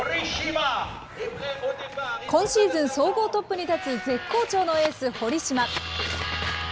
今シーズン総合トップに立つ絶好調のエース、堀島。